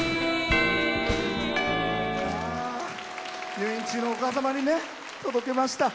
入院中のお母様に届けました。